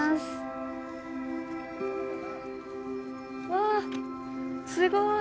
わすごい。